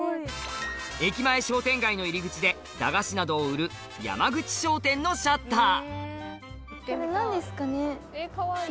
駅前商店街の入り口で駄菓子などを売るのシャッター